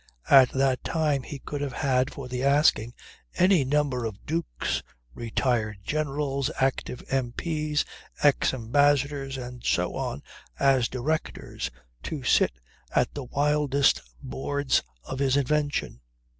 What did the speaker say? At that time he could have had for the asking any number of Dukes, retired Generals, active M.P.'s, ex ambassadors and so on as Directors to sit at the wildest boards of his invention.